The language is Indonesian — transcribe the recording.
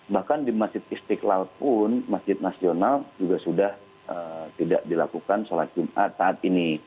bahkan di masjid istiqlal pun masjid nasional juga sudah tidak dilakukan sholat jumat saat ini